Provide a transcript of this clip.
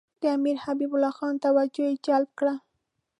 د امیر حبیب الله خان توجه یې جلب کړه.